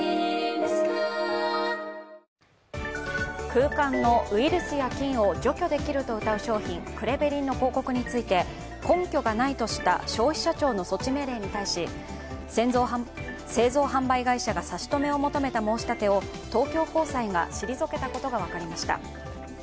空間のウイルスや菌を除去できるとうたう商品、クレベリンの広告について根拠がないとした消費者庁の措置命令に対し製造販売会社が差し止めを求めた申し立てを、東京高裁が退けたことが分かりました。